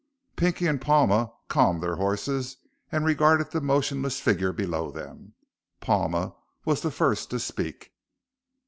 Pinky and Palma calmed their horses and regarded the motionless figure below them. Palma was the first to speak.